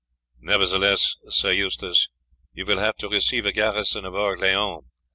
"Nevertheless, Sir Eustace, you will have to receive a garrison of Orleans.